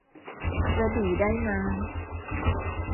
กระดี่ได้น้ำ